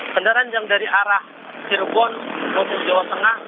kendaraan yang dari arah jerobon jawa tengah